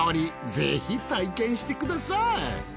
ぜひ体験してください。